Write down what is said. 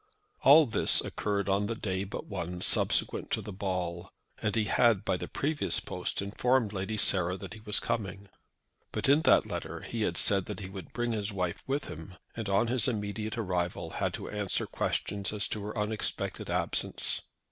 All this occurred on the day but one subsequent to the ball, and he had by the previous post informed Lady Sarah that he was coming. But in that letter he had said that he would bring his wife with him, and on his immediate arrival had to answer questions as to her unexpected absence.